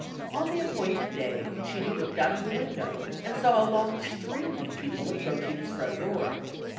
On the appointed day Puccini looked out of the window and saw a long stream of people approaching his front door.